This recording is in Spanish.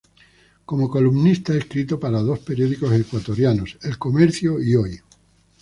Como columnista ha escrito para dos periódicos ecuatorianos, "El Comercio" y "Hoy".